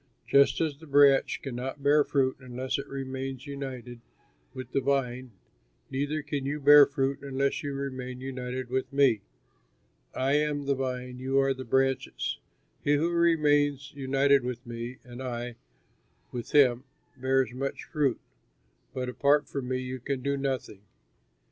Just as the branch cannot bear fruit unless it remains united with the vine, neither can you bear fruit unless you remain united with me. I am the vine, you are the branches. He who remains united with me and I with him bears much fruit, but apart from me you can do nothing.